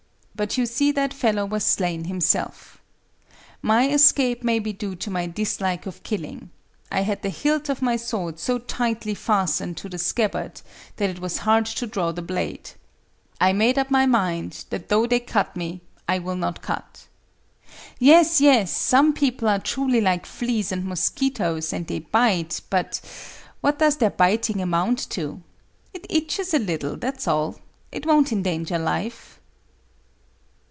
But you see that fellow was slain himself. My escape may be due to my dislike of killing. I had the hilt of my sword so tightly fastened to the scabbard that it was hard to draw the blade. I made up my mind that though they cut me, I will not cut. Yes, yes! some people are truly like fleas and mosquitoes and they bite—but what does their biting amount to? It itches a little, that's all; it won't endanger life."